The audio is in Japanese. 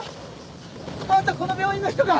あんたこの病院の人か？